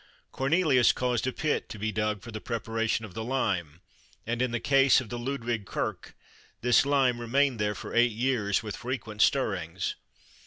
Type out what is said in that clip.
Cornelius caused a pit to be dug for the preparation of the lime, and in the case of the Ludwig Kirche this lime remained there for eight years, with frequent stirrings.